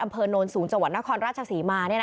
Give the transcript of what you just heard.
โนนสูงจังหวัดนครราชศรีมา